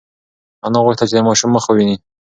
انا غوښتل چې د ماشوم مخ وویني.